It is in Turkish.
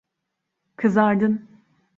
Kızardın.